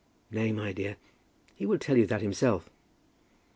"Nay, my dear; he will tell you that himself."